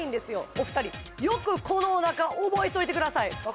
お二人よくこのおなか覚えておいてください